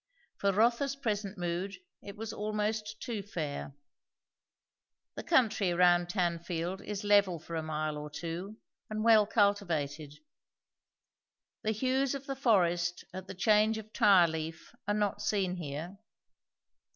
For Rotha's present mood it was almost too fair. The country around Tanfield is level for a mile or two, and well cultivated; the hues of the forest at the change of tire leaf are not seen here.